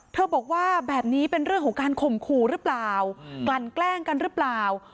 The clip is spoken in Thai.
บอกว่าแบบนี้เป็นเรื่องของการข่มขู่หรือเปล่ากลั่นแกล้งกันหรือเปล่า